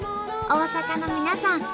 大阪の皆さん